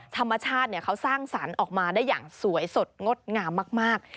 ธรรมชาติเขาสร้างสรรค์ออกมาได้อย่างสวยสดงดงามมาก